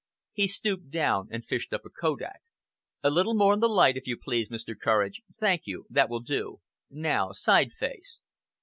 He stooped down and fished up a kodak. "A little more in the light, if you please, Mr. Courage. Thank you! That will do! Now side face."